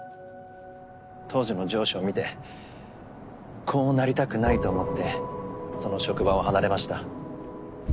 当時の上司を見てこうなりたくないと思ってその職場を離れました。